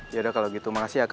yaudah kalau gitu makasih ya kak